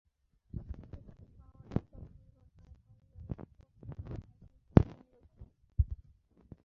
চোখে যদি পাওয়ারের চশমা দরকার হয়, ব্যবস্থাপত্র নিয়ে হাজির হয়ে যান দোকানে।